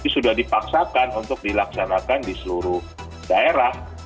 sudah dipaksakan untuk dilaksanakan di seluruh daerah